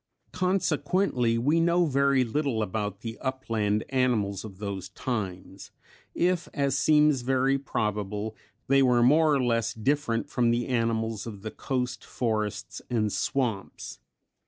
Consequently we know very little about the upland animals of those times, if as seems very probable, they were more or less different from the animals of the coast forests and swamps.